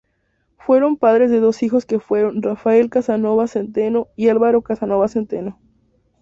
Fueron padres de dos hijos que fueron: Rafael Casanova Zenteno y Álvaro Casanova Zenteno.